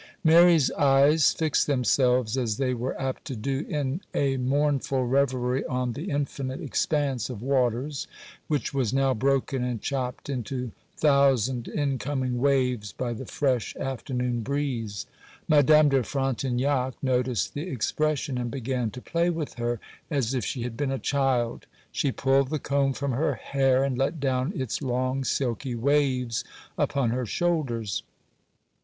Mary's eyes fixed themselves, as they were apt to do, in a mournful reverie, on the infinite expanse of waters, which was now broken and chopped into thousand incoming waves by the fresh afternoon breeze. Madame de Frontignac noticed the expression, and began to play with her as if she had been a child. She pulled the comb from her hair, and let down its long silky waves upon her shoulders.